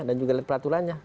dan juga lihat peraturannya